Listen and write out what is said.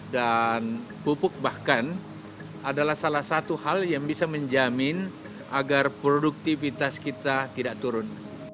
dan pupuk bahkan adalah salah satu hal yang bisa menjamin agar produktivitas kita tidak turun